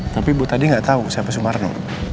tapi bu tadi gak tau siapa sumarno